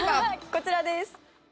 こちらです。